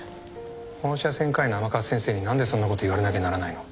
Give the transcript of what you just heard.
放射線科医の甘春先生に何でそんなこと言われなきゃならないの。